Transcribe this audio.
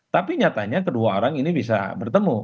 tapi nyatanya kedua orang ini bisa bertemu